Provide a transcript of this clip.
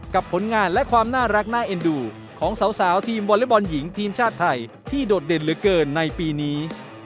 ผลงานและความน่ารักน่าเอ็นดูของสาวทีมวอเล็กบอลหญิงทีมชาติไทยที่โดดเด่นเหลือเกินในปีนี้